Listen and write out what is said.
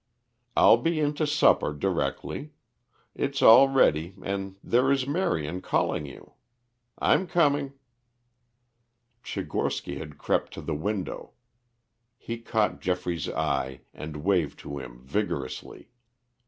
"I'll be in to supper directly. It's all ready, and there is Marion calling you. I'm coming." Tchigorsky had crept to the window. He caught Geoffrey's eye and waved to him vigorously.